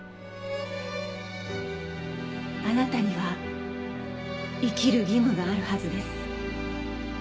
あなたには生きる義務があるはずです。